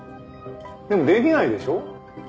でもできないでしょ？